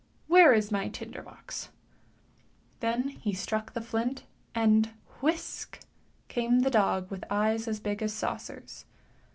Where is my tinder box ? Then he struck the flint, and, whisk, came the dog with eyes as big as saucers.